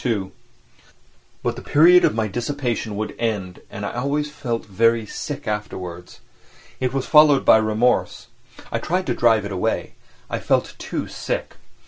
II But the period of my dissipation would end and I always felt very sick afterwards. It was followed by remorse—I tried to drive it away; I felt too sick.